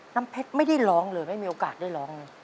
น้ำเพชรไม่ได้ร้องเลยไม่มีโอกาสได้ร้องเลย